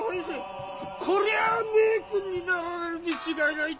こりゃあ名君になられるに違いないと！